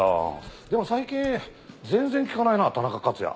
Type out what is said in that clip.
でも最近全然聞かないな田中克也。